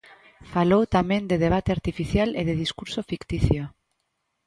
Falou tamén de debate artificial e de discurso ficticio.